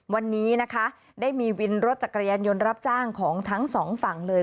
วันนี้นะคะได้มีวินรถจักรยานยนต์รับจ้างของทั้งสองฝั่งเลย